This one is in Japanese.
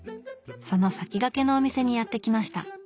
その先駆けのお店にやって来ました。